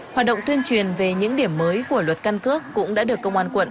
hoạt động tuyên truyền về những điểm mới của luật căn cước cũng đã được công an quận